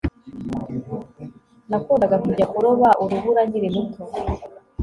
Nakundaga kujya kuroba urubura nkiri muto